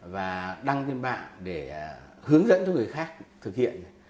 và đăng lên mạng để hướng dẫn cho người khác thực hiện